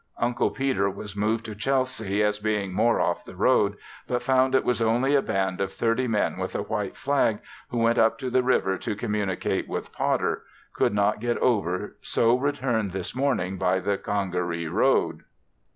Uncle Peter was moved to Chelsea as being more off the road, but found it was only a band of thirty men with a white flag who went up to the river to communicate with Potter; could not get over so returned this morning by the Congaree road.